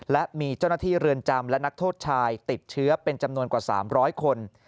และมีเจ้าหน้าที่เรือนจำและนักโทษชายติดเชื้อเป็นจำนวนกว่า๓๐๐คน